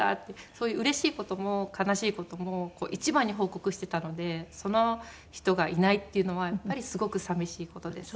そういううれしい事も悲しい事も一番に報告してたのでその人がいないっていうのはやっぱりすごく寂しい事です。